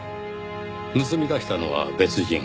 盗み出したのは別人。